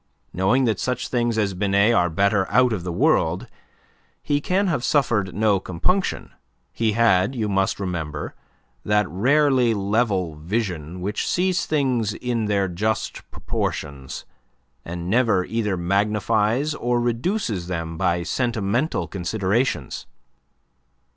Knowing that such things as Binet are better out of the world, he can have suffered no compunction; he had, you must remember, that rarely level vision which sees things in their just proportions, and never either magnifies or reduces them by sentimental considerations.